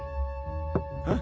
あ？